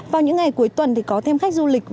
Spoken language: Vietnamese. vào những ngày cuối tuần thì có thêm khách du lịch